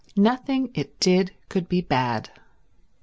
Nothing it did could be bad.